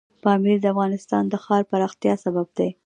پامیر د افغانستان د ښاري پراختیا سبب کېږي.